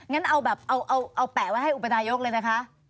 งั้นเอาแบบเอาแปะไว้ให้อุปนายกเลยนะคะ